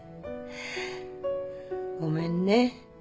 ごめんね。